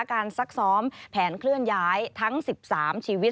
ซักซ้อมแผนเคลื่อนย้ายทั้ง๑๓ชีวิต